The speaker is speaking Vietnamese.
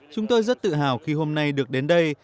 chúng tôi rất tự hào khi hôm nay được đến đây